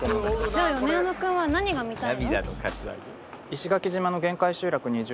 じゃあ米山君は何が見たいの？